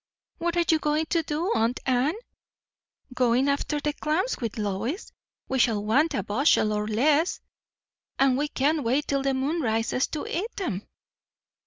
"What are you going to do, aunt Anne?" "Going after clams, with Lois. We shall want a bushel or less; and we can't wait till the moon rises, to eat 'em."